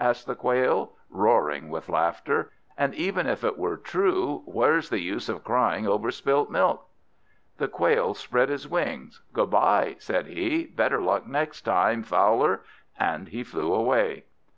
asked the Quail, roaring with laughter. "And even if it were true, where's the use of crying over spilt milk?" The Quail spread his wings. "Good bye," said he; "better luck next time, Fowler." And he flew away.